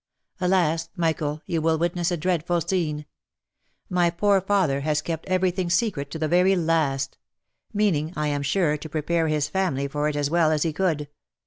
Alas! Michael, you will witness a dreadful scene! My poor father has kept every thing secret to the very last ; meaning, I am sure, to prepare his family for it as well as he could.